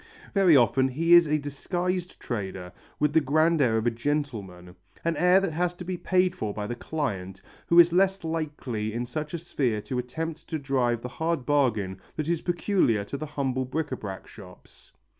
Very often he is a disguised trader with the grand air of a gentleman an air that has to be paid for by the client, who is less likely in such a sphere to attempt to drive the hard bargain that is peculiar to the humble bric à brac shops.